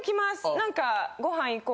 何か。